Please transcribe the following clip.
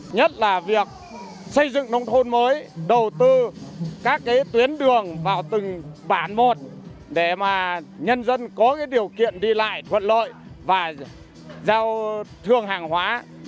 nhất là việc xây dựng nông thôn mới đầu tư các tuyến đường vào từng bản một để mà nhân dân có điều kiện đi lại thuận lợi và giao thương hàng hóa